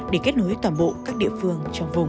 để kết nối toàn bộ các địa phương trong vùng